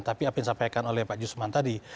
tapi apa yang disampaikan oleh pak jusman tadi